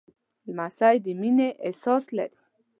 لمسی د مینې احساس لري.